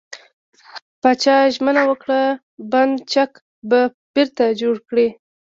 پاچا ژمنه وکړه، بند چک به بېرته جوړ کړي .